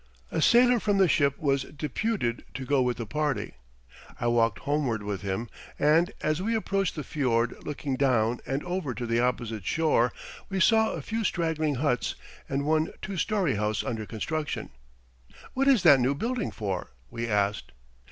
A sailor from the ship was deputed to go with the party. I walked homeward with him, and as we approached the fiord looking down and over to the opposite shore we saw a few straggling huts and one two story house under construction. What is that new building for? we asked.